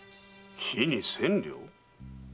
日に千両？